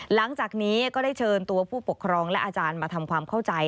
หลังจากนี้ก็ได้เชิญตัวผู้ปกครองและอาจารย์มาทำความเข้าใจ